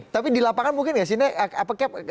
tapi di lapangan mungkin nggak sih need